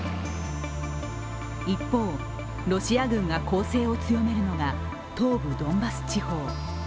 一方、ロシア軍が攻勢を強める東部ドンバス地方。